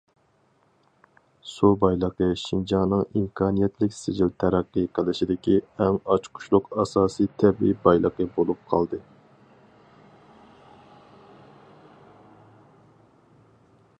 سۇ بايلىقى شىنجاڭنىڭ ئىمكانىيەتلىك سىجىل تەرەققىي قىلىشىدىكى ئەڭ ئاچقۇچلۇق ئاساسىي تەبىئىي بايلىقى بولۇپ قالدى.